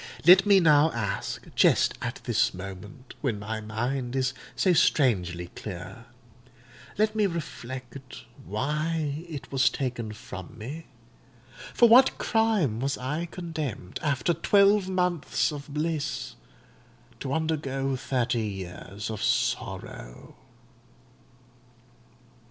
Let me now ask, just at this moment, when my mind is so strangely clear,—let me reflect why it was taken from me? For what crime was I condemned, after twelve months of bliss, to undergo thirty years of sorrow?